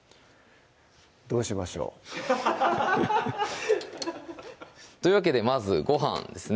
どうしましょうというわけでまずご飯ですね